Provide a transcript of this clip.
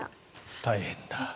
大変だ。